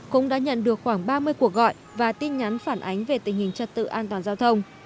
cũng đã nhận được khoảng ba mươi cuộc gọi và tin nhắn phản ánh về tình hình trật tự an toàn giao thông